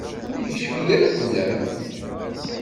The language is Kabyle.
Ur yecfi ara fell-am?